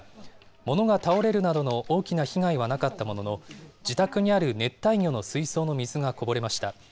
物が倒れるなどの大きな被害はなかったものの、自宅にある熱帯魚の水槽の水がこぼれました。